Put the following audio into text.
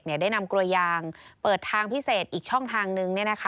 ได้นำกลัวยางเปิดทางพิเศษอีกช่องทางนึง